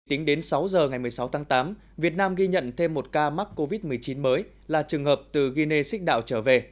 tính đến sáu giờ ngày một mươi sáu tháng tám việt nam ghi nhận thêm một ca mắc covid một mươi chín mới là trường hợp từ guinea six đạo trở về